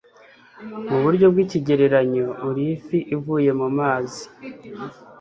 Mu buryo bw'ikigereranyo, uri ifi ivuye mu mazi.